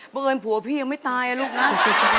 บังเอิญผัวพี่ยังไม่ตายลูกน้ำ